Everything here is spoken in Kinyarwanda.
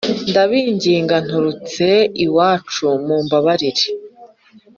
Ndabinginga nturutse iwacu mumbabarire